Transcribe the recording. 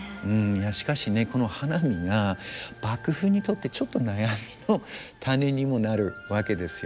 しかしねこの花見が幕府にとってちょっと悩みの種にもなるわけですよね。